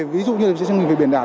ví dụ như chương trình về biển đảo